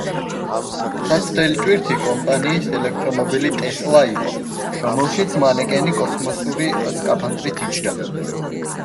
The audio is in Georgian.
საცდელი ტვირთი კომპანიის ელექტრომობილი „ტესლა“ იყო, რომელშიც მანეკენი კოსმოსური სკაფანდრით იჯდა.